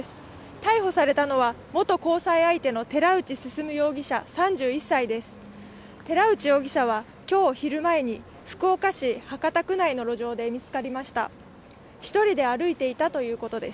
逮捕されたのは元交際相手の寺内進容疑者３１歳です。